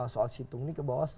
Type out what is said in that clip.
soal situng ini ke bawah